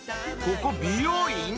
ここ美容院？